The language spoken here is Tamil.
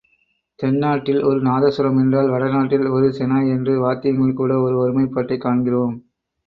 தென்னாட்டில் ஒரு நாதசுரம் என்றால் வடநாட்டில் ஒரு ஷெனாய் என்று வாத்தியங்களில் கூட ஒரு ஒருமைப்பாட்டைக் காண்கிறோம்.